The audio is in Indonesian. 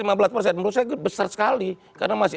menurut saya besar sekali karena masih